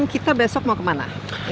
kita besok mau kemana